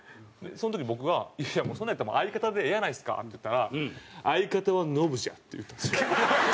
その時僕が「いやもうそんなんやったら相方でええやないですか」って言ったら「相方はノブじゃ」って言ったんですよ。